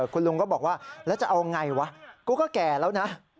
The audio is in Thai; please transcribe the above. คุณลุงก็บอกว่าแล้วจะเอาไงวะกูก็แก่แล้วนะ